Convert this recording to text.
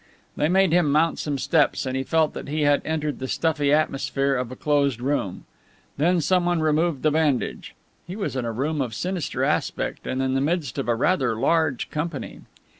They made him mount some steps and he felt that he had entered the stuffy atmosphere of a closed room. Then someone removed the bandage. He was in a room of sinister aspect and in the midst of a rather large company.